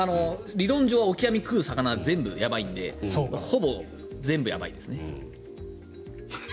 理論上オキアミを食う魚は全部やばいのでほぼ全部やばいですね。